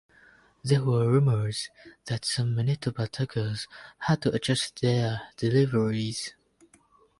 There were rumours that some Manitoba tuckers had to adjust their deliveries.